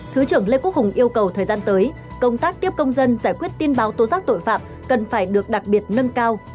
thứ trưởng lê quốc hùng yêu cầu thời gian tới công tác tiếp công dân giải quyết tin báo tố giác tội phạm cần phải được đặc biệt nâng cao